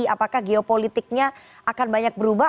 apakah geopolitiknya akan banyak berubah